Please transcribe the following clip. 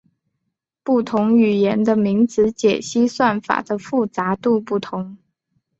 不同语言的名字解析算法的复杂度不同。